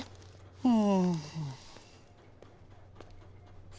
うん。